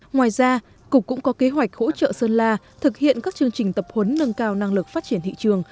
ngoài ra cục cũng có kế hoạch hỗ trợ sơn la thực hiện các chương trình tập huấn nâng cao năng lực phát triển thị trường